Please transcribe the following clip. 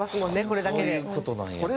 これだけで。